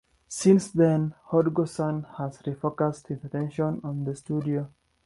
Since then, Hodgson has refocussed his attentions on the studio.